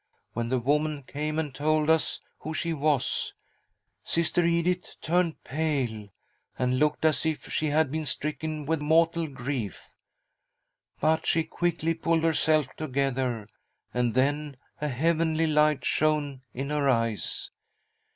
When the woman came and told us who she was, Sister Edith turned pale, and looked as if she had been stricken with mortal grief ; but she quickly pulled herself together, and then a heavenly light shone in her eyes.